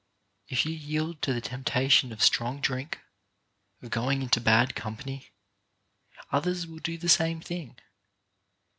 If you yield to the temptation of strong drink, of going into bad company, others will do the same thing.